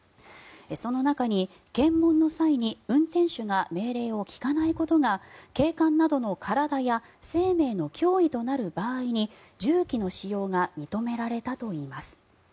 その中に、検問の際に運転手が命令を聞かないことが警官などの体や生命の脅威となる場合に銃器の使用が認められたといいます。